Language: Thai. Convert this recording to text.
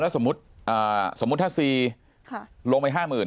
แล้วสมมุติสมมุติถ้าซีลงไปห้าหมื่น